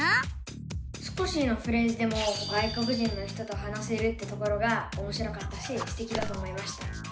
少しのフレーズでも外国人の人と話せるってところがおもしろかったしステキだと思いました。